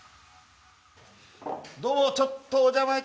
どうもちょっとお邪魔いたします。